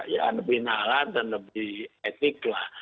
yang lebih nalan dan lebih etik lah